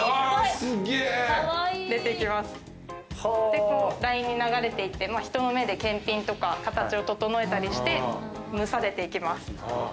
でラインに流れていって人の目で検品とか形を整えたりして蒸されていきます。